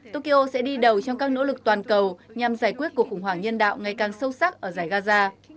tokyo sẽ đi đầu trong các nỗ lực toàn cầu nhằm giải quyết cuộc khủng hoảng nhân đạo ngày càng sâu sắc ở giải gaza